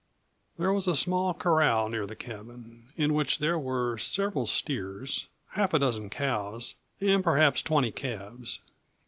There was a small corral near the cabin, in which there were several steers, half a dozen cows, and perhaps twenty calves.